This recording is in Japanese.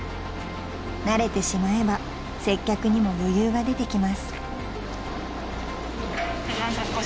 ［慣れてしまえば接客にも余裕が出てきます］